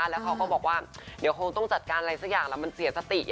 แล้วเขาก็บอกว่าเดี๋ยวคงต้องจัดการอะไรสักอย่างแล้วมันเสียสติ